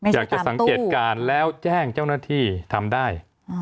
อยากจะสังเกตการณ์แล้วแจ้งเจ้าหน้าที่ทำได้